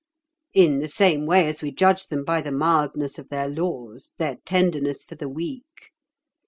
"In the same way as we judge them by the mildness of their laws, their tenderness for the weak.